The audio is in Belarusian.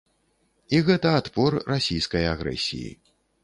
І гэта адпор расійскай агрэсіі.